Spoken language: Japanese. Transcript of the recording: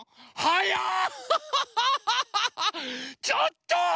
ちょっと！